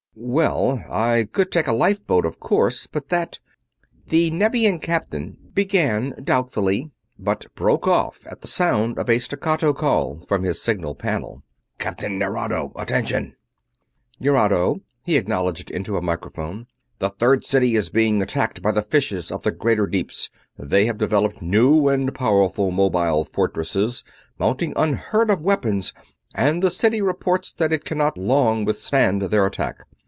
"Well, I could take a lifeboat, of course, but that ..." the Nevian Captain began, doubtfully, but broke off at the sound of a staccato call from his signal panel. "Captain Nerado, attention!" "Nerado," he acknowledged into a microphone. "The Third City is being attacked by the fishes of the greater deeps. They have developed new and powerful mobile fortresses mounting unheard of weapons and the city reports that it cannot long withstand their attack.